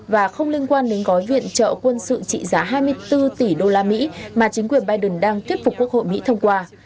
và không liên quan đến gói viện trợ quân sự trị giá hai mươi bốn tỷ đô la mỹ mà chính quyền biden đang thuyết phục quốc hội mỹ thông qua